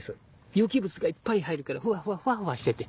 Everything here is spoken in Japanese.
有機物がいっぱい入るからふわふわふわふわしてて。